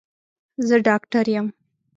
زه ډاکټر يم.